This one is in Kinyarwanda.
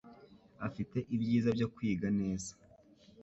Afite ibyiza byo kwiga neza.